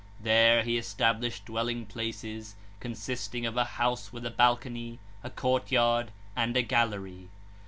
There he established dwelling places, consisting of a house with a balcony, a courtyard, and a gallery.